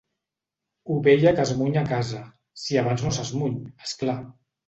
Ovella que es muny a casa, si abans no s'esmuny, esclar.